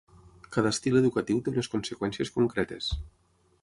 Cada estil educatiu té unes conseqüències concretes.